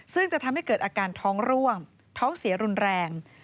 ซึ่งจะทำให้เกิดอาการท้องร่วงท้องเสียรุนแรง